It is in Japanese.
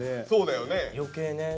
余計ね。